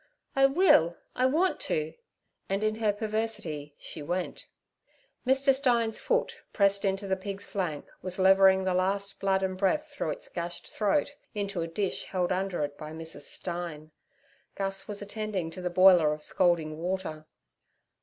'I will. I want to' and in her perversity she went. Mr. Stein's foot, pressed into the pig's flank, was levering the last blood and breath through its gashed throat into a dish held under it by Mrs. Stein. Gus was attending to the boiler of scalding water.